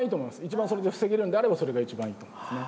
一番それで防げるんであればそれが一番いいと思いますね。